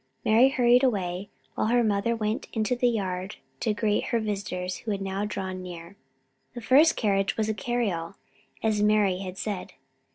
Mari hurried away, while her mother went out into the yard to greet her visitors who had now drawn near. The first carriage was a cariole, as Mari had said.